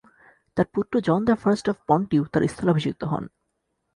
তার পুত্র John the first of Ponthieu তার স্থলাভিষিক্ত হন।